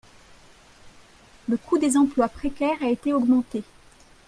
Le coût des emplois précaires a été augmenté.